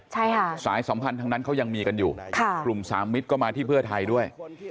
ใช่ค่ะสายสัมพันธ์ทั้งนั้นเขายังมีกันอยู่กลุ่มสามมิตรก็มาที่เพื่อไทยด้วย